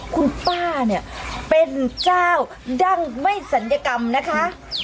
คุณป้าเนี่ยเป็นเจ้าดั้งไม่ศัลยกรรมนะคะ